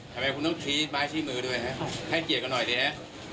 ทำไมคุณต้องชี้ไม้ชี้มือด้วยฮะให้เกียรติกันหน่อยดีฮะ